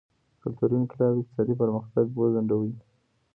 کلتوري انقلاب اقتصادي پرمختګ وځنډاوه.